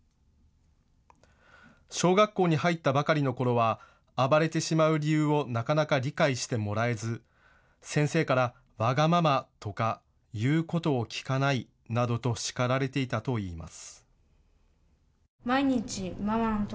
小学校に入ったばかりのころは暴れてしまう理由をなかなか理解してもらえず、先生からわがままとか言うことを聞かないなどと叱られていたといいます。